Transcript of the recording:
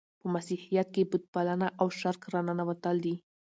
په مسیحیت کښي بت پالنه او شرک راننوتل دي.